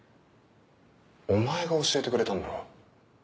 お前が教えてくれたんだろ。